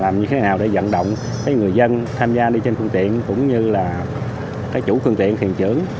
làm như thế nào để dẫn động người dân tham gia đi trên phương tiện cũng như là các chủ phương tiện thuyền trưởng